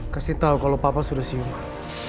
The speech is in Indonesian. kasih tau kalo papa sudah siuman